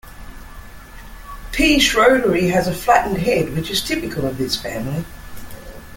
"P. Schroederi" has a flattened head, which is typical of this family.